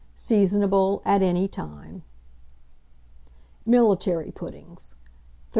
Seasonable at any time. MILITARY PUDDINGS. 1308.